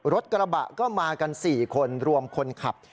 รถกระบะก็มากัน๔คนรวมคนขับ